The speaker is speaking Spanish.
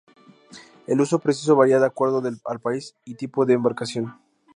El uso preciso varía de acuerdo al país y tipo de embarcación.